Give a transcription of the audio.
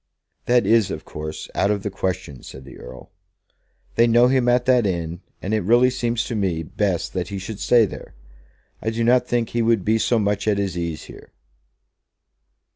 "That is, of course, out of the question," said the Earl. "They know him at that inn, and it really seems to me best that he should stay there. I do not think he would be so much at his ease here."